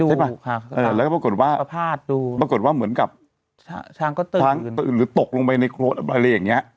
ใช่ป่ะแล้วก็ปรากฏว่าเหมือนกับช้างตกลงไปในโกรธอะไรอย่างนี้